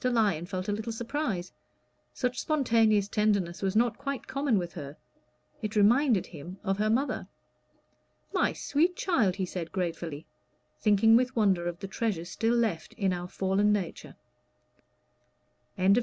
Lyon felt a little surprise; such spontaneous tenderness was not quite common with her; it reminded him of her mother. "My sweet child," he said gratefully, thinking with wonder of the treasures still left in our fallen nature. CHAPTER XI.